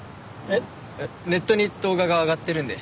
えっネットに動画が上がってるんで。